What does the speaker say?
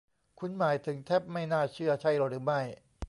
คุณหมายถึงแทบไม่น่าเชื่อใช่หรือไม่